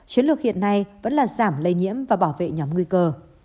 chiến lược hiện nay vẫn là giảm lây nhiễm và bảo vệ nhóm nguy cơ